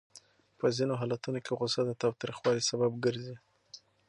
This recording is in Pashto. په ځینو حالتونو کې غوسه د تاوتریخوالي سبب ګرځي.